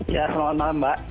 ya selamat malam mbak